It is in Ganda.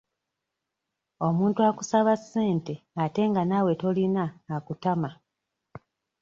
Omuntu akusaba ssente ate nga naawe tolina akutama.